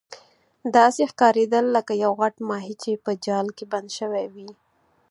داسې ښکاریدل لکه یو غټ ماهي چې په جال کې بند شوی وي.